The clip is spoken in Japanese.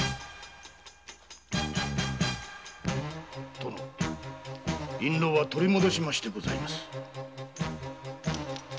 ・殿印ろうは取り戻しましてございます。